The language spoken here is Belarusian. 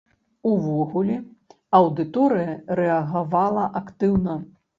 Увогуле, аўдыторыя рэагавала актыўна.